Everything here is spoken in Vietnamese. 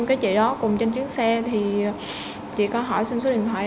và chỉ quay về lại